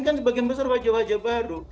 kan sebagian besar wajah wajah baru